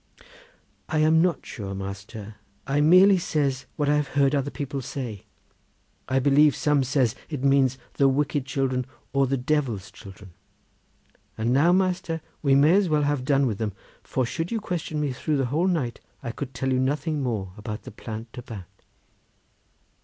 "I am not sure, master; I merely says what I have heard other people say. I believe some says that it means the wicked children, or the Devil's children. And now, master, we may as well have done with them, for should you question me through the whole night I could tell you nothing more about the Plant de Bat."